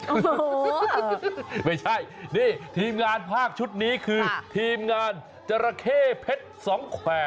โอ้โหไม่ใช่นี่ทีมงานภาคชุดนี้คือทีมงานจราเข้เพชรสองแขวน